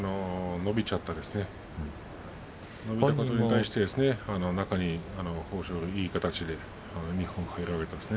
伸びたことに対して最後、豊昇龍、いい形で二本入られましたね。